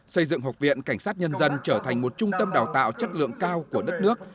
xây dựng học viện cảnh sát nhân dân trở thành một trung tâm đào tạo chất lượng cao của đất nước